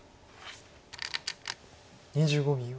２５秒。